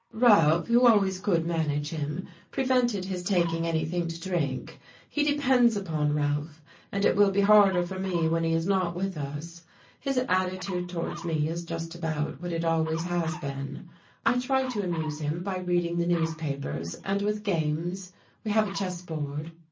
"Ralph, who always could manage him, prevented his taking anything to drink. He depends upon Ralph, and it will be harder for me when he is not with us. His attitude towards me is just about what it has always been. I try to amuse him by reading the newspapers and with games; we have a chess board.